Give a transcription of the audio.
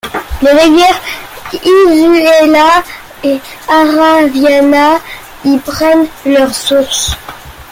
Les rivières Isuela et Araviana y prennent leur source.